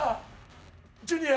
ジュニア。